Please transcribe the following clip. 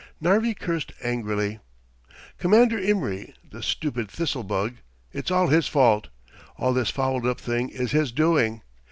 Narvi cursed angrily. "Commander Imry, the stupid thistlebug! It's all his fault! All this fouled up thing is his doing.